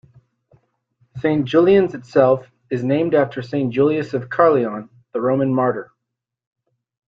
Saint Julian's itself is named after Saint Julius of Caerleon, the Roman martyr.